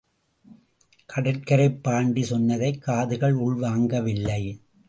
கடற்கரைப் பாண்டி சொன்னதை காதுகள் உள்வாங்கவில்லை.